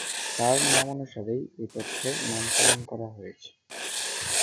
তার নামানুসারেই এই তথ্যের নামকরণ করা হয়েছে।